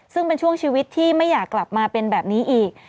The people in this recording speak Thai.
ซึ่งเป็นช่วงชีวิตที่ไม่อยากกลับมาเป็นแบบนี้อีก